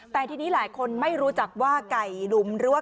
แต่ทีนี้หลายคนไม่รู้จักว่าไก่หลุมหรือว่า